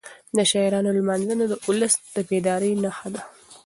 د شاعرانو لمانځنه د ولس د بیدارۍ نښه ده.